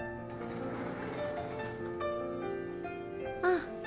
あっ。